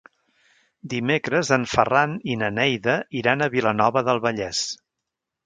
Dimecres en Ferran i na Neida iran a Vilanova del Vallès.